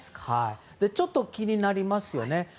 ちょっと気になりますよね。